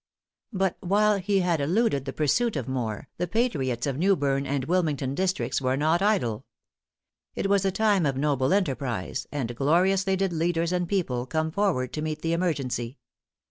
But while he had eluded the pursuit of Moore, the patriots of Newburn and Wilmington Districts were not idle. It was a time of noble enterprise, and gloriously did leaders and people come forward to meet the emergency.